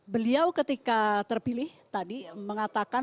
beliau ketika terpilih tadi mengatakan